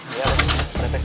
saya cek lagi